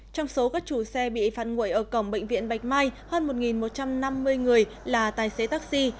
trong số các chủ xe bị phản nguội ở cổng bệnh viện bạch mai hơn một một trăm năm mươi người là tài xế taxi